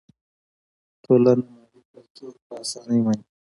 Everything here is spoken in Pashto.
ټولنه مادي کلتور په اسانۍ مني.